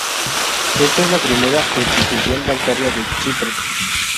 Esta es la primera institución bancaria de Chipre.